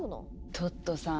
トットさん